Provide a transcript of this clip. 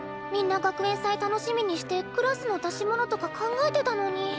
みんな学園祭楽しみにしてクラスの出し物とか考えてたのに。